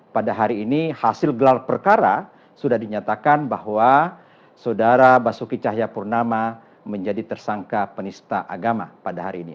pada hari ini hasil gelar perkara sudah dinyatakan bahwa saudara basuki cahayapurnama menjadi tersangka penista agama pada hari ini